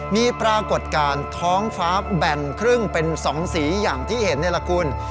มีปรากฏการณ์ท้องฟ้าแบ่งครึ่งเป็น๒สีอย่างที่เห็นนี่แหละคุณ